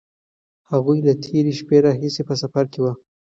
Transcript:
هغوی له تېرې شپې راهیسې په سفر کې وو.